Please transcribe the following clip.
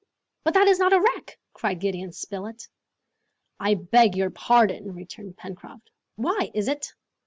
"But that is not a wreck!" cried Gideon Spilett. "I beg your pardon!" returned Pencroft. "Why? is it